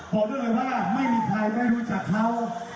บอกได้เลยว่าไม่มีใครไม่รู้จักเขา